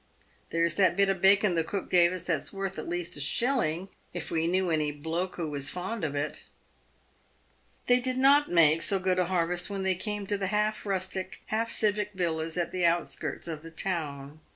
There's that bit o' bacon the cook gave us that's worth at least a shilling, if we knew any * bloak' who was fond of it." They did not make so good a harvest when they came to the half rustic, half civic villas at the outskirts of the town.